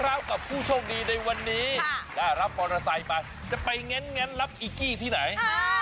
แล้วก็ผู้โชคดีในวันนี้ได้รับปรสัยมาจะไปเง้นรับอีกกี้ที่ไหน